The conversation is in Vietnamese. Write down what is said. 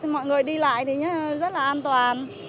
mọi người đi lại thì rất là an toàn